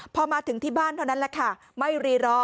พอมาถึงที่บ้านเท่านั้นแหละค่ะไม่รีรอ